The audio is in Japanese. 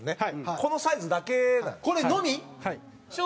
このサイズだけなんです。